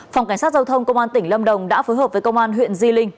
phòng cảnh sát giao thông công an tỉnh lâm đồng đã phối hợp với công an huyện di linh